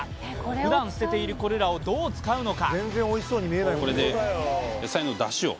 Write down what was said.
ふだん捨てているこれらをどう使うのか。